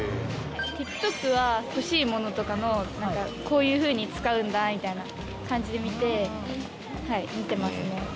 ＴｉｋＴｏｋは欲しいものとかのこういうふうに使うんだみたいな感じで見てはい見てますね。